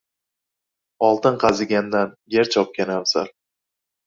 • Oltin qazigandan yer chopgan afzal.